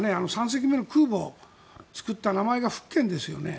３隻目の空母を造った名前が「福建」ですよね。